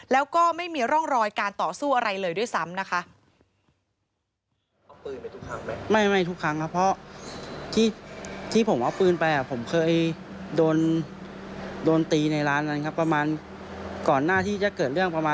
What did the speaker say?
แล้วก็ไม่มีร่องรอยการต่อสู้อะไรเลยด้วยซ้ำนะคะ